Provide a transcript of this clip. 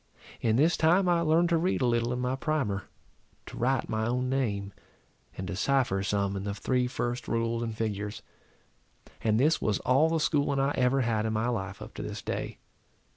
In this time I learned to read a little in my primer, to write my own name, and to cypher some in the three first rules in figures. And this was all the schooling I ever had in my life, up to this day.